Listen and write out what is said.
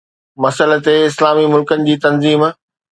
مسئلي تي اسلامي ملڪن جي تنظيم